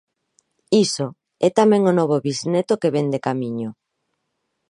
Iso, e tamén o novo bisneto que vén de camiño.